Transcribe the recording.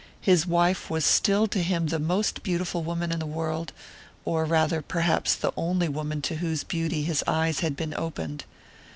His wife was still to him the most beautiful woman in the world, or rather, perhaps, the only woman to whose beauty his eyes had been opened.